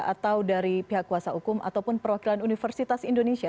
atau dari pihak kuasa hukum ataupun perwakilan universitas indonesia